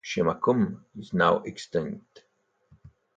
Chemakum is now extinct.